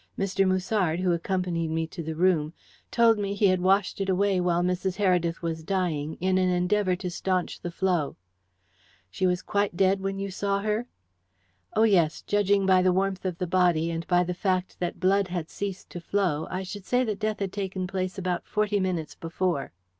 Mr. Musard, who accompanied me to the room, told me he had washed it away while Mrs. Heredith was dying, in an endeavour to staunch the flow." "She was quite dead when you saw her?" "Oh, yes. Judging by the warmth of the body, and by the fact that blood had ceased to flow, I should say that death had taken place about forty minutes before."